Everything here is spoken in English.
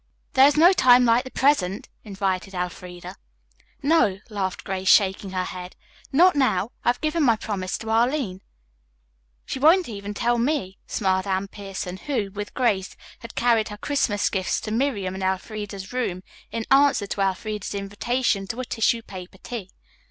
"There is no time like the present," invited Elfreda. "No," laughed Grace, shaking her head. "Not now. I have given my promise to Arline." "She won't tell even me," smiled Anne Pierson, who, with Grace, had carried her Christmas gifts to Miriam's and Elfreda's room, in answer to Elfreda's invitation to a tissue paper tea.